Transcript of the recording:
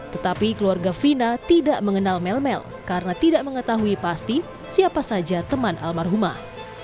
tetapi keluarga fina tidak mengenal mel mel karena tidak mengetahui pasti siapa saja teman almarhumah